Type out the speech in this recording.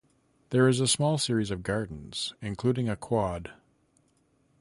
There is a small series of gardens, including a "quad".